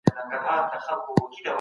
هغه وويل چي ژمنتيا مهمه ده.